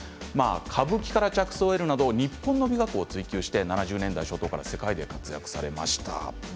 歌舞伎から着想を得るなど日本の美学を追求して７０年代初頭から世界で活躍されました。